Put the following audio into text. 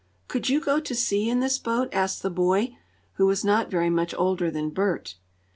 "Could you go to sea in this boat?" asked the boy, who was not very much older than Bert.